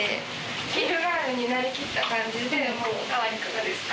ビールガールになりきった感じで、お代わりいかがですか？